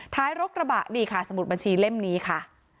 ท้ายรกระบะนี่ค่ะสมุดบัญชีเล่มนี้ค่ะ